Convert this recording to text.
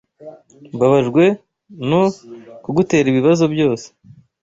Mbabajwe no kugutera ibibazo byose.